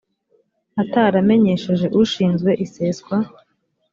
ataramenyesheje ushinzwe iseswa